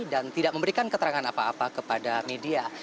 dan tidak memberikan keterangan apa apa kepada media